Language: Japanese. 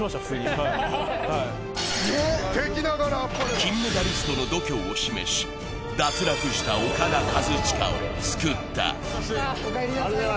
金メダリストの度胸を示し、脱落したオカダ・カズチカを救った。